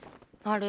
あ！